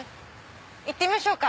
行ってみましょうか。